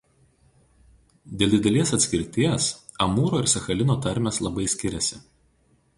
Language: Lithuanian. Dėl didelės atskirties Amūro ir Sachalino tarmės labai skiriasi.